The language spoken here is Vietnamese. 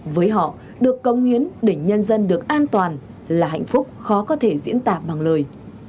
với họ được công hiến để nhân dân được an toàn là hạnh phúc khó có thể diễn tả bằng lời